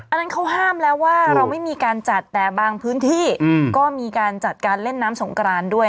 อันนั้นเขาห้ามแล้วว่าเราไม่มีการจัดแต่บางพื้นที่ก็มีการจัดการเล่นน้ำสงกรานด้วย